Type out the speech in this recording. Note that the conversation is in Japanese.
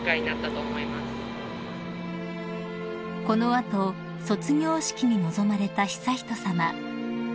［この後卒業式に臨まれた悠仁さま］